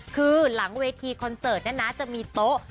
คือหลังเวทีคอนเสิร์ตเนี่ยนะจะมีโต๊ะ